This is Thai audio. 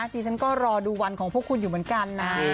ดิฉันก็รอดูวันของพวกคุณอยู่เหมือนกันนะ